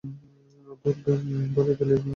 ধুর, বলেই ফেলুন কীভাবে মরব!